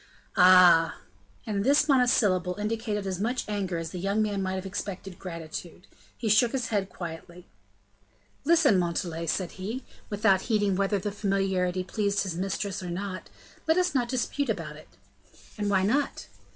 "Ah!" And this monosyllable indicated as much anger as the young man might have expected gratitude. He shook his head quietly. "Listen, Montalais," said he, without heeding whether that familiarity pleased his mistress or not; "let us not dispute about it." "And why not?"